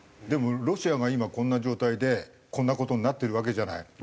でもロシアが今こんな状態でこんな事になってるわけじゃない。